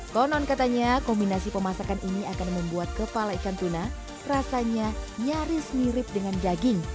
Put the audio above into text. konon katanya kombinasi pemasakan ini akan membuat kepala ikan tuna rasanya nyaris mirip dengan daging